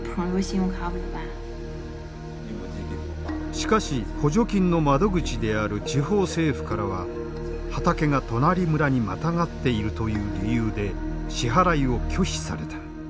しかし補助金の窓口である地方政府からは畑が隣村にまたがっているという理由で支払いを拒否された。